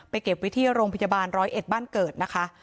เก็บไว้ที่โรงพยาบาลร้อยเอ็ดบ้านเกิดนะคะ